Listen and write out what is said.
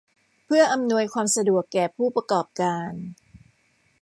เพื่ออำนวยความสะดวกแก่ผู้ประกอบการ